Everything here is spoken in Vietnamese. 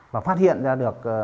và phát hiện ra được